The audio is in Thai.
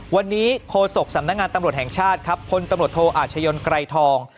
วันนี้โฆษกสำนักงานตำรวจแห่งชาติครับพลตำรวจโทอาชญนไกรทอง